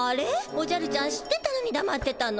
おじゃるちゃん知ってたのにだまってたの？